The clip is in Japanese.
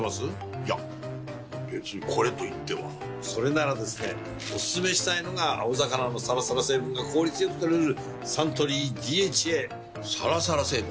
いや別にこれといってはそれならですねおすすめしたいのが青魚のサラサラ成分が効率良く摂れるサントリー「ＤＨＡ」サラサラ成分？